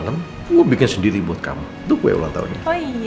sampai jumpa di video selanjutnya